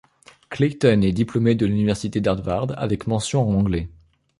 Clayton est diplômé de l'université d'Harvard avec mention en anglais.